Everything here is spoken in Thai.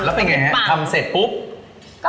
แล้วเป็นยังไงทำเสร็จปุ๊บ๖๐โต๊ะ